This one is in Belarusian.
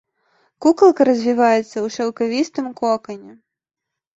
Кукалка развіваецца ў шаўкавістым кокане.